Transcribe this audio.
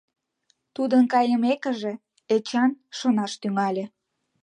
Тудын кайымекыже, Эчан шонаш тӱҥале.